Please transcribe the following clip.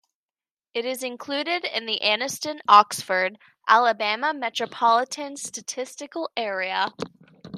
It is included in the Anniston-Oxford, Alabama Metropolitan Statistical Area.